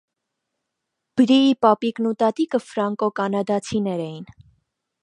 Բրիի պապիկն ու տատիկը ֆրանկոկանադացիներ էին։